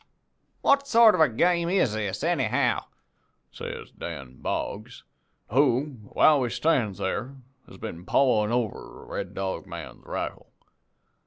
"'What sort of a game is this, anyhow?' says Dan Boggs, who, while we stands thar, has been pawin' over the Red Dog man's rifle.